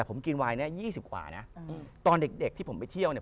ผมกินวายนี้๒๐กว่านะตอนเด็กที่ผมไปเที่ยวเนี่ย